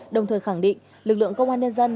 đồng thời khẳng định lực lượng công an nhân dân